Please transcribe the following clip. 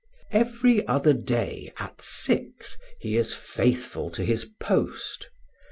Every other day, at six, he is faithful to his post.